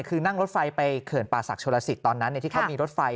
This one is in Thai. คือนั่งรถไฟไปเขื่อนป่าศักดิโชลสิตตอนนั้นที่เขามีรถไฟ